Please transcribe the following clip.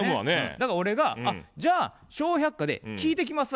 だから俺が「あっじゃあ『笑百科』で聞いてきますわ」